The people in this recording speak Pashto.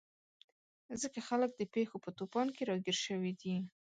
ځکه خلک د پېښو په توپان کې راګیر شوي دي.